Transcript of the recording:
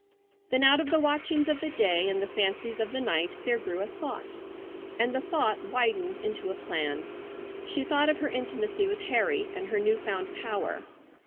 Then out of the watchings of the day and the fancies of the night, there grew a thought—and the thought widened into a plan. She thought of her intimacy with Harry and her new found power.